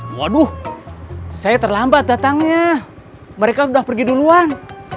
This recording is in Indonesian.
waduh saya terlambat datangnya mereka sudah pergi duluan